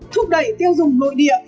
thúc đẩy tiêu dùng nội địa